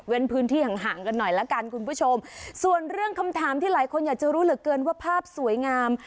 พื้นที่ห่างห่างกันหน่อยละกันคุณผู้ชมส่วนเรื่องคำถามที่หลายคนอยากจะรู้เหลือเกินว่าภาพสวยงาม